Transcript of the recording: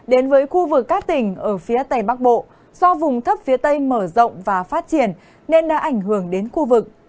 đến với khu vực các tỉnh ở phía tây bắc bộ do vùng thấp phía tây mở rộng và phát triển nên đã ảnh hưởng đến khu vực